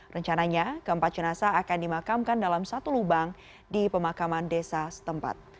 rencananya keempat jenazah akan dimakamkan dalam satu lubang di pemakaman desa setempat